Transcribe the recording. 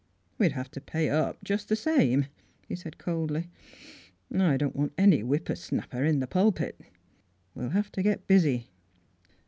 " We'd have to pay up just the same," he said coldly. " 'N' I don't want any whipper snapper in the pulpit. We'll have t' get busy."